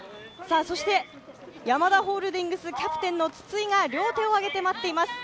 そしてヤマダホールディングスキャプテンの筒井が両手を挙げて待っています。